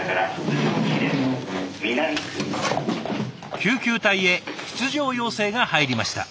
救急隊へ出場要請が入りました。